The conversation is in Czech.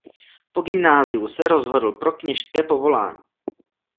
Po gymnáziu se rozhodl pro kněžské povolání.